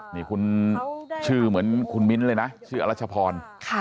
นี่คุณชื่อเหมือนคุณมิ้นท์เลยนะชื่ออรัชพร